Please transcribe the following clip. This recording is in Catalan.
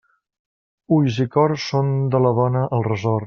Ulls i cor són de la dona el ressort.